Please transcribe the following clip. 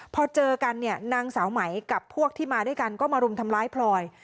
พอเจอกันเนี่ยนางสาวไหมกับพวกที่มาด้วยกันก็มารุมทำร้ายพลอย